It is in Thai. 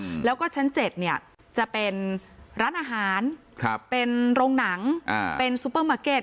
อืมแล้วก็ชั้นเจ็ดเนี้ยจะเป็นร้านอาหารครับเป็นโรงหนังอ่าเป็นซูเปอร์มาร์เก็ต